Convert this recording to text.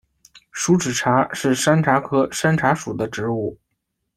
疏齿茶是山茶科山茶属的植物。